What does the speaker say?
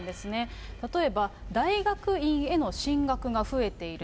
例えば大学院への進学が増えている。